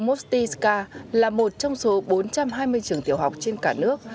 mosty ska là một trong số bốn trăm hai mươi trường tiểu học trên cả nước